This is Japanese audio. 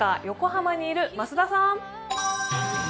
横浜にいる増田さん。